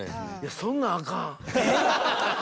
そんなんあかん。え！？